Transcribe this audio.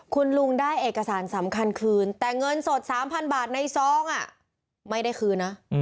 คุณลุงได้เอกสารสำคัญคืนแต่เงินสด๓๐๐๐บาทในซองไม่ได้คืนนะ